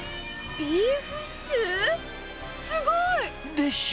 ビーフシチュー？でしょ？